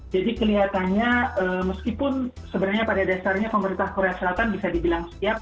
jadi kelihatannya meskipun sebenarnya pada dasarnya pemerintah korea selatan bisa dibilang siap